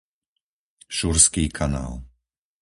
Šurský kanál